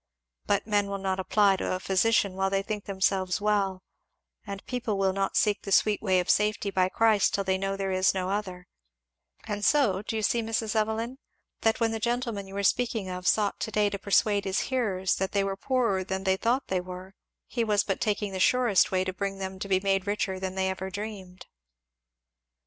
But men will not apply to a physician while they think themselves well; and people will not seek the sweet way of safety by Christ till they know there is no other; and so, do you see, Mrs. Evelyn, that when the gentleman you were speaking of sought to day to persuade his hearers that they were poorer than they thought they were, he was but taking the surest way to bring them to be made richer than they ever dreamed."